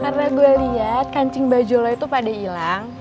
karena gue liat kancing baju lo itu pada hilang